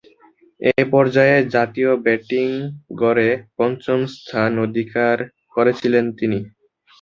এ পর্যায়ে জাতীয় ব্যাটিং গড়ে পঞ্চম স্থান অধিকার করেছিলেন তিনি।